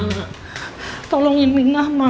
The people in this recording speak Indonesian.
minah tolongin minah ma